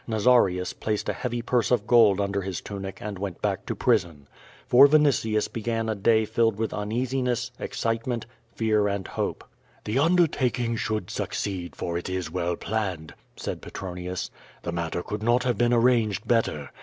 Nazarius placed a heavy purse of gold under his tunic and went back to prison. For Vinitius began a day filled with uneasiness, excitement, fear, and hope. "The undertaking should succeed, for it is well planned," said Petronius. "The matter could not have been arranged better.